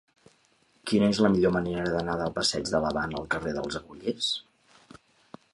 Quina és la millor manera d'anar del passeig de l'Havana al carrer dels Agullers?